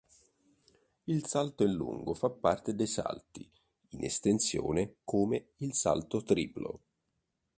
Il salto in lungo fa parte dei salti in estensione come il salto triplo.